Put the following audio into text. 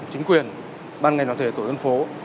chính quyền ban ngành đoàn thể tổ dân phố